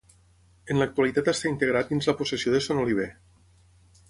En l'actualitat està integrat dins la possessió de Son Oliver.